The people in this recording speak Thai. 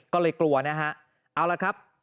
ก็เลยกลัวนะฮะเอาละครับ